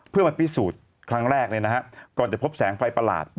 เพื่อผิดสูตรครั้งแรกเลยนะก่อนจะพบแสงไฟประหลาด